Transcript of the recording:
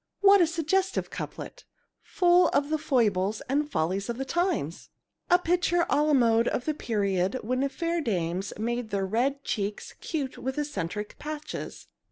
What a suggestive couplet, full of the foibles and follies of the times! A picture a la mode of the period when fair dames made their red cheeks cute with eccentric patches.